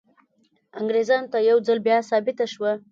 انګریزانو ته یو ځل بیا ثابته شوه.